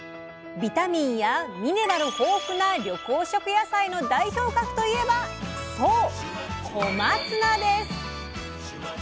ビタミンやミネラル豊富な緑黄色野菜の代表格といえばそう「小松菜」です！